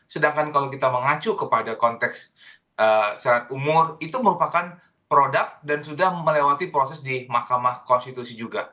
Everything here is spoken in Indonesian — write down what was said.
sedangkan kalau kita mengacu kepada konteks syarat umur itu merupakan produk dan sudah melewati proses di mahkamah konstitusi juga